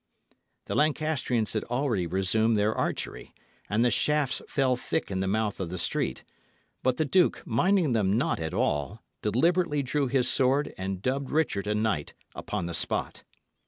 The Lancastrians had already resumed their archery, and the shafts fell thick in the mouth of the street; but the duke, minding them not at all, deliberately drew his sword and dubbed Richard a knight upon the spot.